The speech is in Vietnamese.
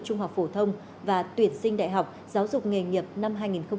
trung học phổ thông và tuyển sinh đại học giáo dục nghề nghiệp năm hai nghìn hai mươi